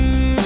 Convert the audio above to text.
ya itu dia